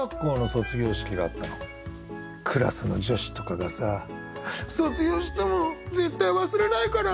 クラスの女子とかがさ「卒業しても絶対忘れないから！